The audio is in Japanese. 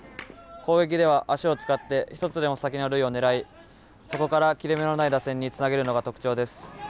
攻撃では、足を使って一つでも先の塁を狙いそこから切れ目のない打線につなげるのが特徴です。